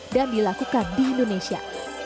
dan dilakukan di indonesia